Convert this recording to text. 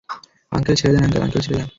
Uncle, ছেড়ে দেন, uncle, uncle, ছেড়ে দেন।